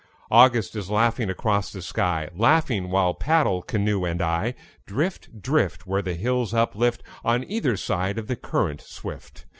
August is laughing across the sky, Laughing while paddle, canoe and I, Drift, drift, Where the hills uplift On either side of the current swift.